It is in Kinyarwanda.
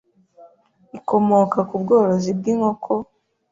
ikomoka ku bworozi bw’inkoko